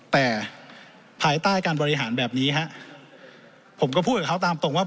แต่ภายใต้การบริหารแบบนี้ฮะผมก็พูดกับเขาตามตรงว่า